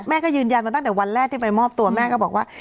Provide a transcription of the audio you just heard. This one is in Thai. แม่ก็ยืนยันมาตั้งแต่วันแรกที่ไปมอบตัวแม่ก็บอกว่า